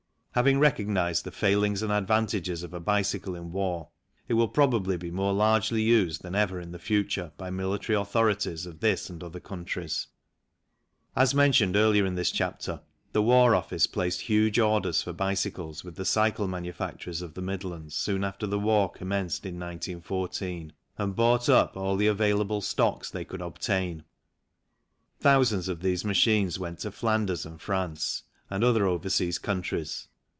Having recognized the failings and advantages of a bicycle in war, it will probably be more largely used than ever in the future by military authorities of this and other countries. As mentioned earlier in this chapter, the War Office placed huge orders for bicycles with the cycle manu facturers of the Midlands soon after the war commenced in 1914, and bought up all the available suitable stocks they could obtain. Thousands of these machines went to Flanders and France and other overseas countries.